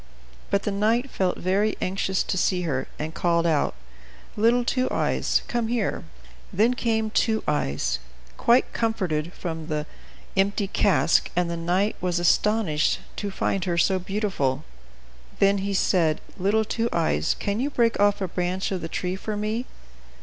But the knight felt very anxious to see her, and called out, "Little Two Eyes, come here." Then came Two Eyes, quite comforted, from the empty cask, and the knight was astonished to find her so beautiful. Then he said: "Little Two Eyes, can you break off a branch of the tree for me?"